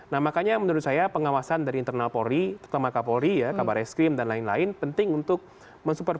nah makanya menurut saya pengawasan dari internal polri terutama kapolri ya kabar eskrim dan lain lain penting untuk mensupport